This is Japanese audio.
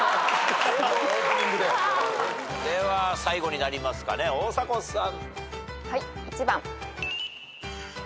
では最後になりますかね大迫さん。